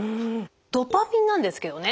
ドパミンなんですけどね